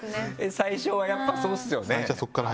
最初はやっぱそうですよね。